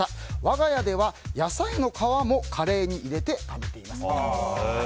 我が家では、野菜の皮もカレーに入れて食べています。